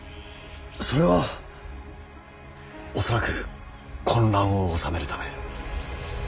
それは恐らく混乱を収めるため。